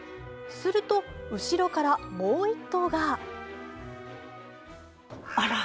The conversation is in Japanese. すると後ろから、もう１頭が。